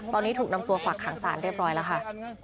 ตอนนี้ถูกนำตัวฝากขังสารเรียบร้อยแล้วค่ะ